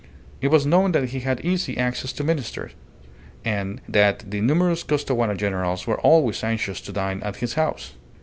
It was known that he had easy access to ministers, and that the numerous Costaguana generals were always anxious to dine at his house.